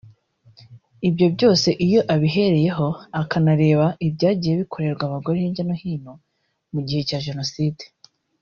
Ibyo byose iyo abihereyeho akanareba ibyagiye bikorerwa abagore hirya no hino mu gihe cya Jenoside